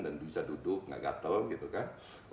dan bisa duduk gak gatel gitu kan